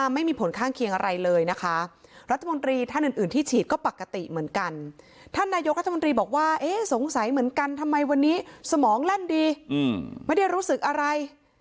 มันสาเหมือนกันทำไมวันนี้สมองแล่นดีไม่ได้รู้สึกอะไร